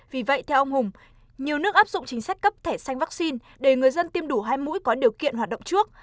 vì vậy theo ông hùng nhiều nước áp dụng chính sách cấp thẻ xanh vaccine để người dân tiêm đủ hai mũi có điều kiện hoạt động trước